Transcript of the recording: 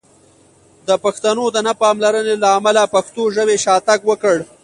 د پښتنو د نه پاملرنې له امله پښتو ژبې شاتګ وکړ!